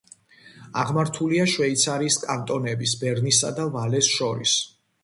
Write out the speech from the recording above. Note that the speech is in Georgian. აღმართულია შვეიცარიის კანტონების ბერნისა და ვალეს შორის.